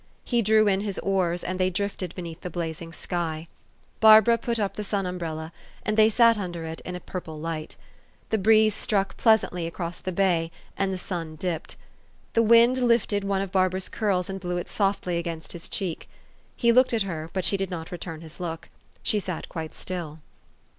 He drew in his oars, and they drifted beneath the blazing sky. Barbara put up the sun umbrella, and they sat under it in a pur ple light. The breeze struck pleasantly across the bay, and the sun dipped. The wind lifted one of Barbara's curls, and blew it softly against his cheek. He looked at her ; but she did not return his look. She sat quite still.